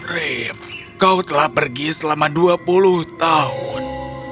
rip kau telah pergi selama dua puluh tahun